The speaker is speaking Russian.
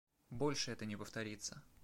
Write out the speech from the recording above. Больше это не повторится.